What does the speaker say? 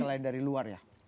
selain dari luar ya